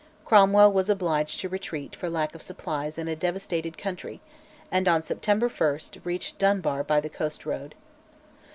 Cromwell was obliged to retreat for lack of supplies in a devastated country, and on September 1 reached Dunbar by the coast road.